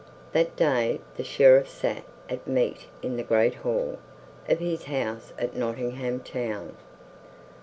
That day the Sheriff sat at meat in the great hall of his house at Nottingham Town.